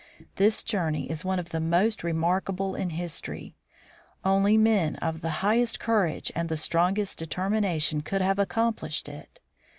This journey is one of the most remarkable in history. Only men of the highest courage and the strongest determination could have accomplished it.